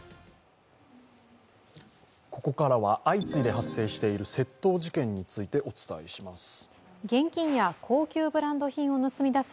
ここからは相次いで発生している窃盗事件についてお伝えします。